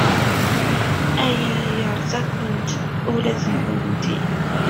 Aya yerza-kent ula d kennemti.